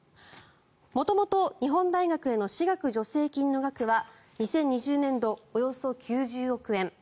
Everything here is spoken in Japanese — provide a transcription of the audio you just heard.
元々日本大学への私学助成金の額は２０２０年度およそ９０億円。